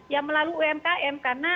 yang melalui umkm karena